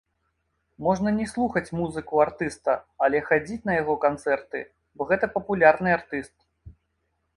Можна не слухаць музыку артыста, але хадзіць на яго канцэрты, бо гэта папулярны артыст.